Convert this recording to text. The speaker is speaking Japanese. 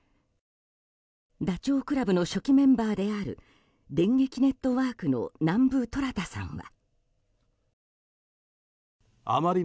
ダチョウ倶楽部の初期メンバーである電撃ネットワークの南部虎弾さんは。